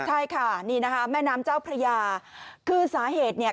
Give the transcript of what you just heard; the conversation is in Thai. ใช่ค่ะนี่นะคะแม่น้ำเจ้าพระยาคือสาเหตุเนี่ย